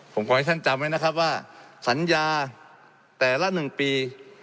ผมขอให้ท่านจำไว้นะครับว่าสัญญาแต่ละ๑ปี